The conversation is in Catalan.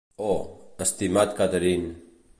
Oh, estimat Catherine!